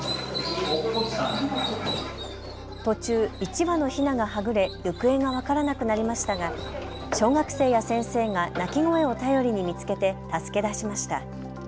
途中、１羽のひながはぐれ行方が分からなくなりましたが小学生や先生が鳴き声を頼りに見つけて助け出しました。